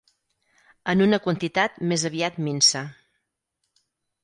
En una quantitat més aviat minsa.